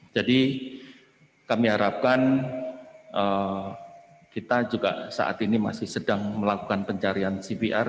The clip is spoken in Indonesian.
jadi kami harapkan kita juga saat ini masih sedang melakukan pencarian cpr